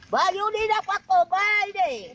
ไปครับไป